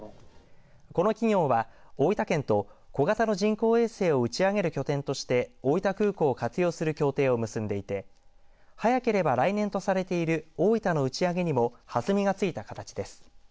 この企業は大分県と小型の人工衛星を打ち上げる拠点として大分空港を活用する協定を結んでいて早ければ来年とされている大分の打ち上げにも弾みがついた形です。